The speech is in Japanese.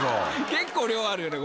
結構量あるよね